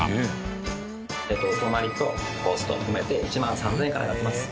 お泊まりとコースとを含めて１万３０００円からやってます。